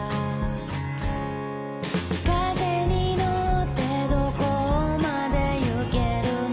「風に乗ってどこまで行けるの？」